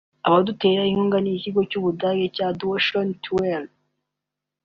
Abadutera inkunga ni ikigo cy’Abadage cya Deutsche Welle